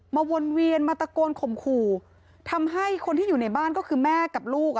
วนเวียนมาตะโกนข่มขู่ทำให้คนที่อยู่ในบ้านก็คือแม่กับลูกอ่ะ